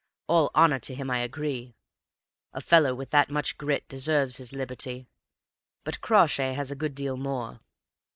All honor to him, I agree; a fellow with that much grit deserves his liberty. But Crawshay has a good deal more.